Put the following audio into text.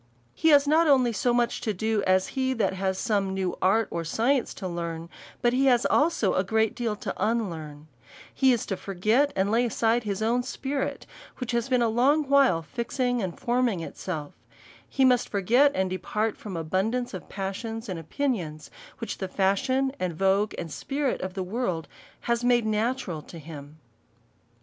He has not only as much to do, as he that has som©' new art or science to learn, but he has also a great deal to unlearn : He is to forget, and lay aside his own spirit, which has been a long while fixing and forming itself; he must forget, and depart from abun dance of passions and opinions, which the fashion, and vogue, and spirit of the world has made natural to him.